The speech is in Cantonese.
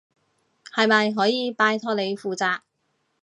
係咪可以拜託你負責？